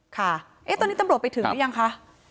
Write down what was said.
ค่ะตอนนี้ตำรวจไปถึงหรือยังคะ